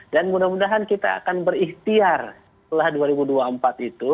dan mudah mudahan kita akan berikhtiar setelah dua ribu dua puluh empat itu